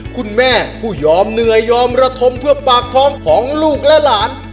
คุณแม่ผู้ยอมเหนื่อยยอมระทมเพื่อปากท้องของลูกและหลาน